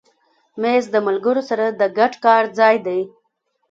مېز د ملګرو سره د ګډ کار ځای دی.